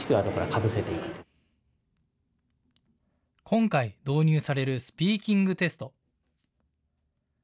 今回、導入されるスピーキングテスト。